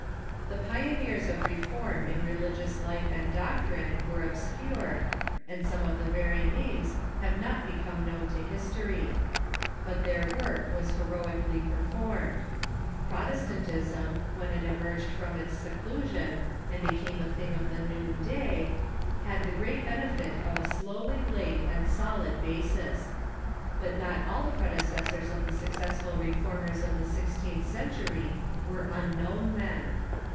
The pioneers of reform in religious life and doctrine were obscure, and some of the very names have not become known to history. But their work was heroically per Pioneers of the fo^ i^^gj^ Protestantism, when it emercfed from Reformation _. its seclusion, and became a thing of the noonday, had the great benefit of a slowly laid and solid basis. But not all the predecessors of the successful reformers of the sixteenth century were unknown men.